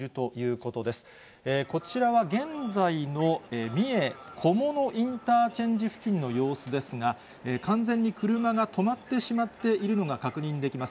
こちらは現在の三重・菰野インターチェンジ付近の様子ですが、完全に車が止まってしまっているのが確認できます。